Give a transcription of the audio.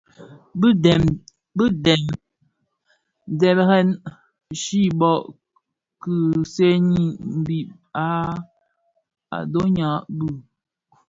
Bị dèm mbèrèn chi bò kiseni mbiň a ndhoňa bi.